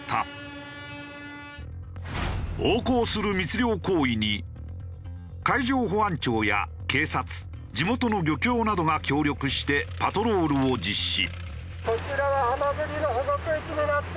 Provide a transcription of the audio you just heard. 横行する密漁行為に海上保安庁や警察地元の漁協などが協力してパトロールを実施。